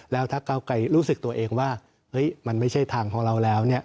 แล้วถ้าเก้าไกลรู้สึกตัวเองว่าเฮ้ยมันไม่ใช่ทางของเราแล้วเนี่ย